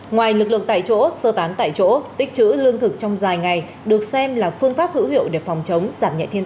ngoài lực lượng tại chỗ sơ tán tại chỗ tích chữ lương thực trong dài ngày được xem là phương pháp hữu hiệu để phòng chống